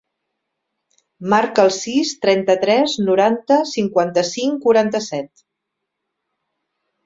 Marca el sis, trenta-tres, noranta, cinquanta-cinc, quaranta-set.